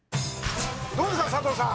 どうですか、佐藤さん。